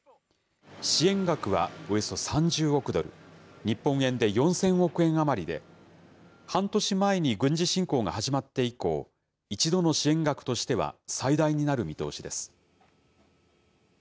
支援額はおよそ３０億ドル、日本円で４０００億円余りで、半年前に軍事侵攻が始まって以降、１度の支援額としては最大になる見通しです。